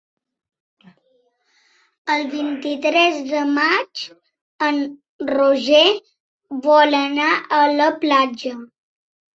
El vint-i-tres de maig en Roger vol anar a la platja.